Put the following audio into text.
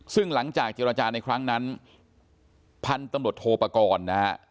ซึ่งหลังจากเจรจาในครั้งนั้นพันธุ์ตำรวจโทปกรณ์นะฮะ